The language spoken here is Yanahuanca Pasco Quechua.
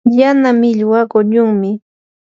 yana millwa quñunmi.